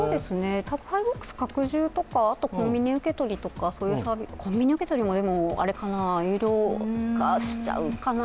宅配ボックス拡充とか、コンビニ受け取り、そういうサービス、コンビニ受け取りも有料化しちゃうかな。